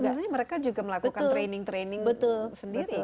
karena sebenarnya mereka juga melakukan training training sendiri kan ya